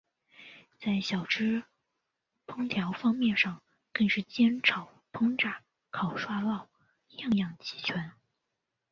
在小吃烹调方式上更是煎炒烹炸烤涮烙样样齐全。